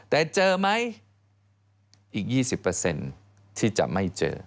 แต่เจอไหมอีก๒๐ที่จะไม่เจอ